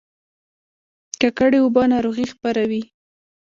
ککړې اوبه ناروغي خپروي